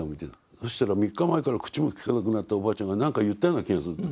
そうしたら３日前から口もきかなくなったおばあちゃんが何か言ったような気がすると。